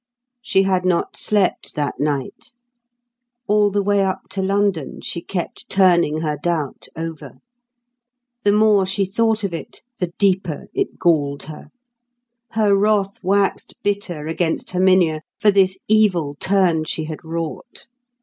She had not slept that night. All the way up to London, she kept turning her doubt over. The more she thought of it, the deeper it galled her. Her wrath waxed bitter against Herminia for this evil turn she had wrought.